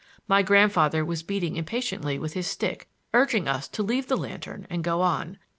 My grandfather was beating impatiently with his stick, urging us to leave the lantern and go on.